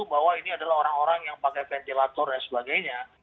bahwa ini adalah orang orang yang pakai ventilator dan sebagainya